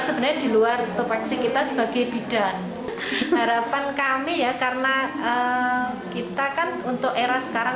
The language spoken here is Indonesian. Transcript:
sebenarnya di luar topeksi kita sebagai bidan harapan kami ya karena kita kan untuk era sekarang